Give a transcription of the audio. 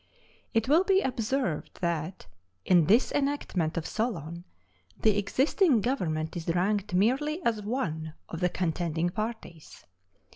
It will be observed that, in this enactment of Solon, the existing government is ranked merely as one of the contending parties.